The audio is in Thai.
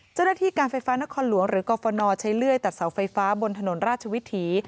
เจ้าหน้าที่การไฟฟ้านครหลวงหรือกรฟนใช้เลื่อยตัดเสาไฟฟ้าบนถนนราชวิถี